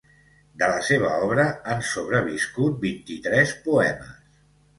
De la seva obra, han sobreviscut vint-i-tres poemes.